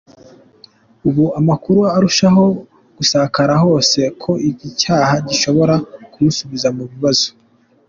Ubu amakuru ararushaho gusakara hose ko iki cyaha gishobora kumusubiza mu bibazo.